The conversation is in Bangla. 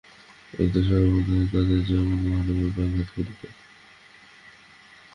এটাতে সর্বদাই তাহাদের যেন আরামের ব্যাঘাত করিত।